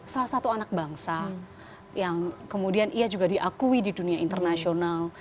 salah satu anak bangsa yang kemudian ia juga diakui di dunia internasional